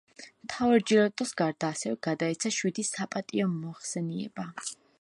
მთავარი ჯილდოს გარდა, ასევე გადაეცა შვიდი „საპატიო მოხსენიება“.